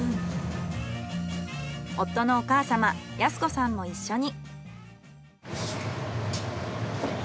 夫のお母様康子さんも一緒に。